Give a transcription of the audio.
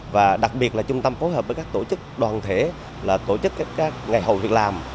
và đặc biệt là trung tâm phối hợp với các tổ chức đoàn thể là tổ chức các ngày hội việc làm